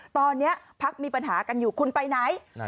ตอนนี้พักมีปัญหากันอยู่คุณไปไหน